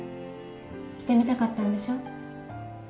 着てみたかったんでしょ。